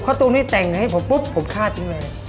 คอตุมนี่แต่งให้ผมปุ๊บผมฆ่าจริงเลย